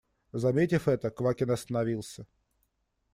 Заметив это, Квакин остановился.